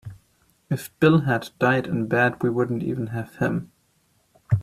If Bill had died in bed we wouldn't even have him.